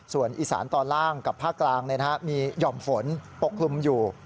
ส่วนอีสานตอนล่างกับภาคกลางมีหย่อมฝนปกคลุมอยู่